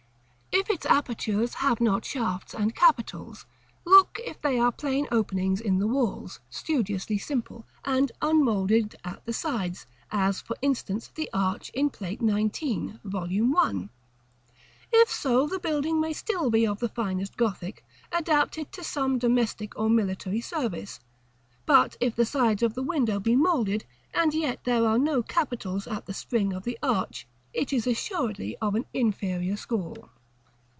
If its apertures have not shafts and capitals, look if they are plain openings in the walls, studiously simple, and unmoulded at the sides; as, for instance, the arch in Plate XIX. Vol. I. If so, the building may still be of the finest Gothic, adapted to some domestic or military service. But if the sides of the window be moulded, and yet there are no capitals at the spring of the arch, it is assuredly of an inferior school.